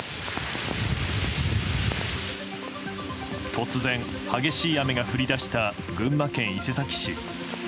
突然、激しい雨が降り出した群馬県伊勢崎市。